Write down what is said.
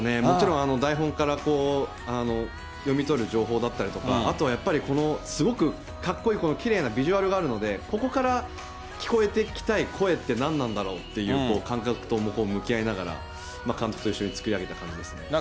もちろん、台本から読み取る情報だったりとか、あとはやっぱり、すごくかっこいい、このきれいなヴィジュアルがあるので、ここから聞こえてきた声って何なんだろうっていう感覚と向き合いながら、監督と一緒に作り上げた感じですね。